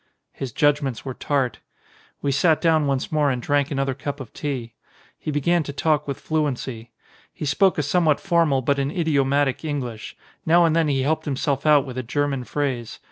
His judgments were tart. We sat down once more and drank another cup of tea. He began to talk with fluency. He spoke a somewhat formal but an idiomatic English. Now and then he helped himself out with a German phrase.